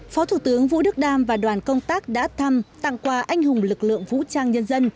phó thủ tướng vũ đức đam và đoàn công tác đã thăm tặng quà anh hùng lực lượng vũ trang nhân dân